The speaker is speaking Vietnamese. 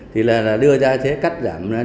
thì là đưa ra thế cắt giảm đi một số